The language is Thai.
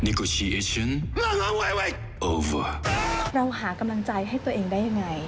นิโกชีเอชั่นมาหาไวไวโอเวอร์เราหากำลังใจให้ตัวเองได้ยังไง